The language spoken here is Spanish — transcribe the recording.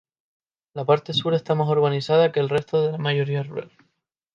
La parte sur está más urbanizada que el resto de mayoría rural.